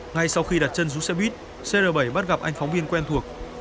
ngay sau khi đặt chân dưới xe buýt cr bảy bắt gặp anh phóng viên quen thuộc